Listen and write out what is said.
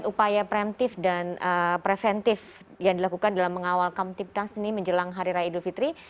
upaya preventif yang dilakukan dalam mengawal kamtip kas ini menjelang hari raya idul fitri